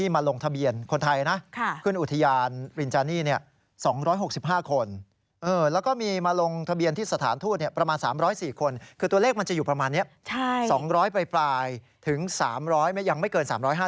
มันจะอยู่ประมาณนี้๒๐๐ไปปลายถึง๓๐๐ยังไม่เกิน๓๕๐